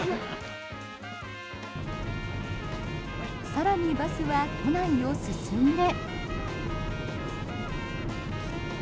更にバスは都内を進んで。